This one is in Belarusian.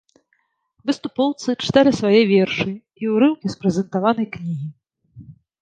Выступоўцы чыталі свае вершы і ўрыўкі з прэзентаванай кнігі.